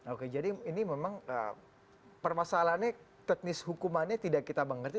oke jadi ini memang permasalahannya teknis hukumannya tidak kita mengerti